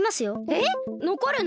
えっ！？のこるの！？